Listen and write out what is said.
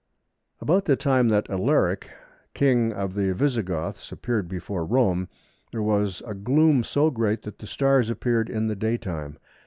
About the time that Alaric, King of the Visigoths appeared before Rome, there was a gloom so great that the stars appeared in the daytime.